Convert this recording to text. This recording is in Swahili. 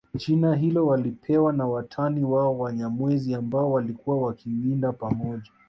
Jina hilo walipewa na watani wao Wanyamwezi ambao walikuwa wakiwinda pamoja